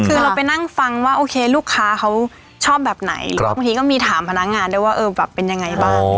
คือเราไปนั่งฟังว่าโอเคลูกค้าเขาชอบแบบไหนหรือว่าบางทีก็มีถามพนักงานได้ว่าเออแบบเป็นยังไงบ้าง